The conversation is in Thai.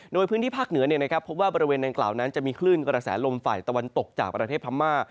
โดยพื้นที่ภาคเหนือพบว่าบริเวณดังกล่าวนั้นจะมีคลื่นกระแสลมฝ่ายตะวันตกจากประเทศพม่า